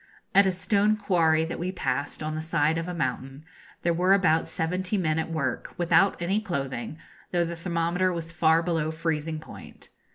At a stone quarry that we passed, on the side of a mountain, there were about seventy men at work, without any clothing, though the thermometer was far below freezing point.